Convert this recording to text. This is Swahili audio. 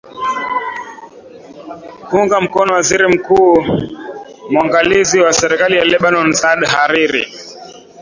kuunga mkono waziri mkuu mwangalizi wa serikali ya lebanon saad hariri